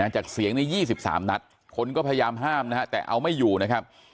จากเสียงใน๒๓นัดคนก็พยายามห้ามนะฮะแต่เอาไม่อยู่นะครับ